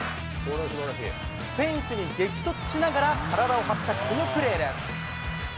フェンスに激突しながら体を張ったこのプレーです。